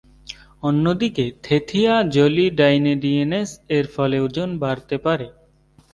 অন্যদিকে থেথিয়াজোলিডাইনেডিয়েনেস-এর ফলে ওজন বাড়তে পারে।